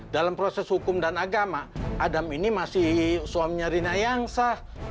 dalam proses hukum dan agama adam ini masih suaminya rina yang sah